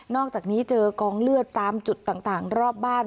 อกจากนี้เจอกองเลือดตามจุดต่างรอบบ้าน